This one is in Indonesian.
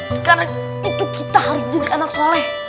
sekarang itu kita harus jadi anak soleh